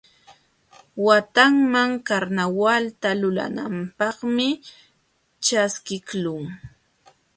Watanman karnawalta lulananpaqmi ćhaskiqlun.